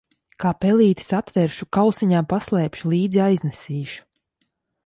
Kā pelīti satveršu, kausiņā paslēpšu, līdzi aiznesīšu.